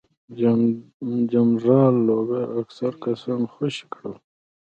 جنرال لو اکثر کسان خوشي کړل.